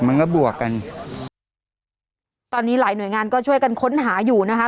มันก็บวกกันตอนนี้หลายหน่วยงานก็ช่วยกันค้นหาอยู่นะคะ